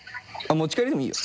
持ち帰りでもいいよ。